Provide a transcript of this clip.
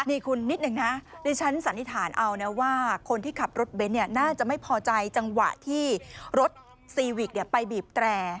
นี่คุณนิดหนึ่งนะดิฉันสันนิษฐานเอานะว่าคนที่ขับรถเบนท์น่าจะไม่พอใจจังหวะที่รถซีวิกไปบีบแตร่